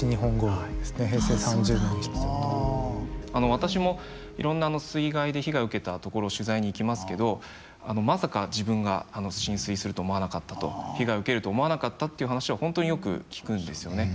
私もいろんな水害で被害を受けた所を取材に行きますけどまさか自分が浸水すると思わなかったと被害を受けると思わなかったっていう話は本当によく聞くんですよね。